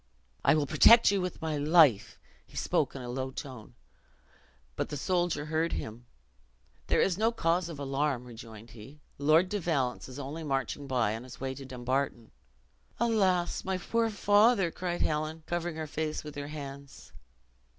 "I will protect you with my life." He spoke in a low tone, but he soldier heard him: "There is no cause of alarm," rejoined he; "Lord de Valence is only marching by on his way to Dumbarton." "Alas, my poor father!" cried Helen, covering her face with her hands.